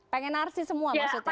pengen narsi semua maksudnya